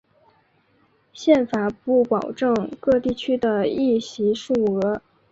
宪法不保证各地区的议席数额。